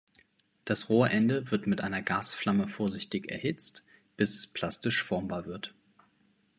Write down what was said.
Das Rohrende wird mit einer Gasflamme vorsichtig erhitzt, bis es plastisch formbar wird.